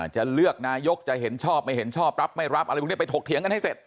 จะเลือกนายกจะเห็นชอบไม่เห็นชอบรับไม่รับอะไรพวกนี้ไปถกเถียงกันให้เสร็จ